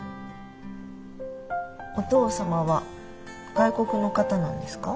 お父様は外国の方なんですか？